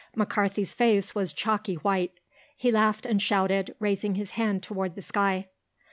McCarthy's face was chalky white. He laughed and shouted, raising his hand toward the sky.